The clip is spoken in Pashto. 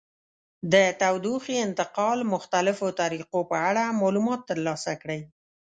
د تودوخې انتقال مختلفو طریقو په اړه معلومات ترلاسه کړئ.